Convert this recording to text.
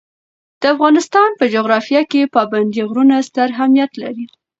د افغانستان په جغرافیه کې پابندي غرونه ستر اهمیت لري.